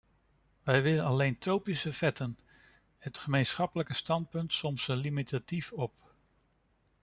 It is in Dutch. Wij wilden alleen tropische vetten, het gemeenschappelijk standpunt somt ze limitatief op.